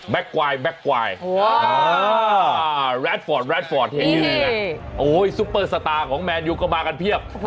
แม็กกวายแรดฟอร์ดโอ้ยซุปเปอร์สตาร์ของแมนยูก็มากันเพียบ